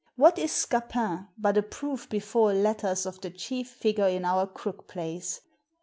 What is Scapin but a proof bef ore letters of the chief figure in our crook plays